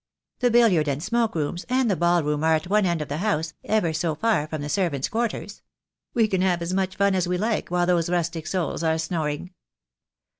The billiard and smoke rooms, and the ball room are at one end of the house, ever so far from the servants' quarters. We can have as much fun as we like while those rustic souls are snoring."